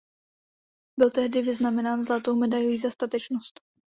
Byl tehdy vyznamenán zlatou medailí za statečnost.